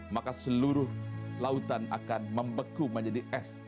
maka seluruh lautan akan membeku menjadi es